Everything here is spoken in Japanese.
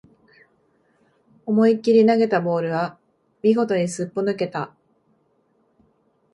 思いっきり投げたボールは見事にすっぽ抜けた